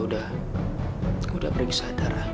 udah udah periksa